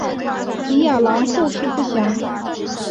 李雅郎后事不详。